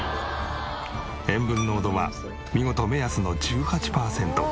塩分濃度は見事目安の１８パーセント。